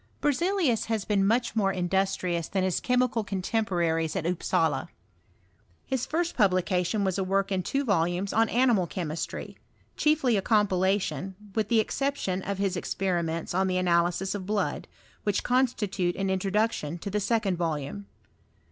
Berzelius has been much more industrious than bis chemical contemporaries at Upsala. His first pnblicatiou was a work, in two Tolumes on on i mat ch«:mistry, chiefly a compilation, with the exceptioB of his experiments on the analysis of blood, which coDstttute an introduction to the second volume.